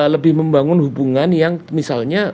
lebih membangun hubungan yang misalnya